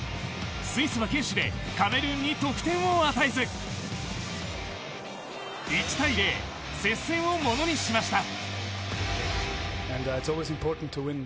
スイスは堅守でカメルーンに得点を与えず１対０、接戦をものにしました。